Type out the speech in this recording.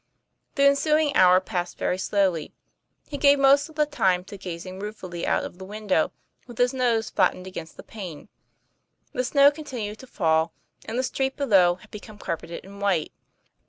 The ensuing hour passed very slowly. He gave most of the time to gazing ruefully out of the window, with his nose flattened against the pane. The snow continued to fall, and the street below had become carpeted in white.